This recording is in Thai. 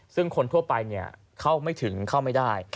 ซึ่งคนทั่วไปเข้าไม่ถึงเข้าไม่ได้